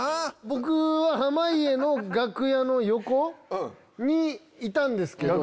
僕は濱家の楽屋の横にいたんですけど。